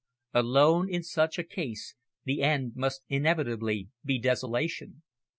Alone in such a case, the end must inevitably be desolation.